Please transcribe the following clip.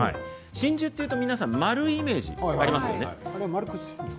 真珠というと丸いイメージがありますよね。